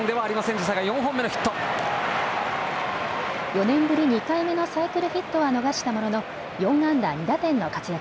４年ぶり２回目のサイクルヒットは逃したものの４安打２打点の活躍。